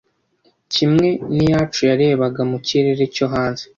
'Kimwe n'iyacu yarebaga mu kirere cyo hanze.